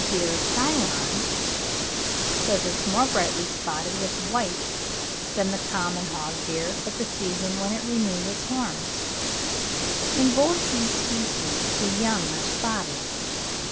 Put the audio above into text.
42) of the hog deer of Ceylon, says it is more brightly spotted with white than the common hog deer, at the season when it renews its horns.) In both these species the young are spotted.